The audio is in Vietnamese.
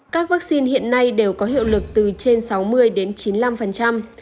các vaccine hiện nay đều có hiệu lực từ trên sáu mươi chín mươi năm mặc dù không có hiệu lực hoàn toàn một trăm linh